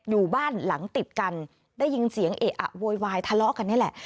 อยู่บ้านหลังติดกันได้ยินเสียงเอะอะโวยวายทะเลาะกันนี่แหละ